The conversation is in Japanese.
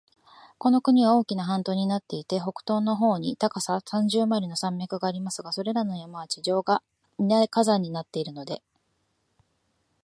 この国は大きな半島になっていて、北東の方に高さ三十マイルの山脈がありますが、それらの山は頂上がみな火山になっているので、